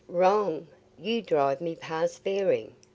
"Wrong! You drive me past bearing.